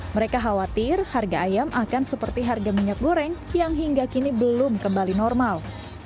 mereka khawatir harga ayam akan seperti harga minyak goreng yang hingga kini belum kembali normal